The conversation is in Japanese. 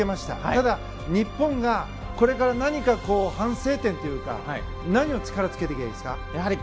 ただ、日本がこれから何か反省点というか何の力をつけていけばいいですか？